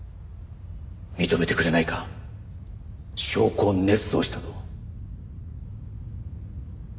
認めてくれないか証拠を捏造したと。